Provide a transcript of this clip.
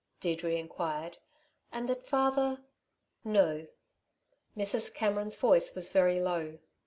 Deirdre inquired. "And that father " "No." Mrs. Cameron's voice was very low.